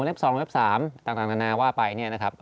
วงเล็บสองวงเล็บสามต่างนาว่าไปนะครับ